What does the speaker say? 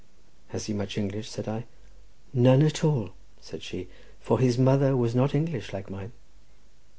"Has he much English?" said I. "None at all," said she, "for his mother was not English, like mine."